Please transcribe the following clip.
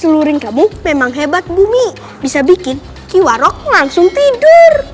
seluring kamu memang hebat bumi bisa bikin kiwarok langsung tidur